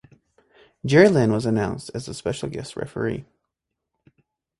Jerry Lynn was announced as the special guest referee.